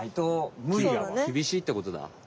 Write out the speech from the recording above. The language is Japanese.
きびしいってことだ。